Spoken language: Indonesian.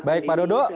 baik pak dodo